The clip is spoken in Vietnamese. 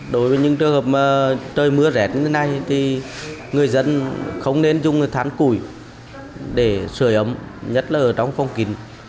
đối với những trường hợp trời mưa rét như thế này thì người dân không nên dùng thán củi để sửa ấm nhất là ở trong phong kín